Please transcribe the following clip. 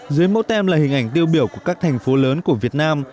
dưới mẫu tem là hình ảnh tiêu biểu của các thành phố lớn của việt nam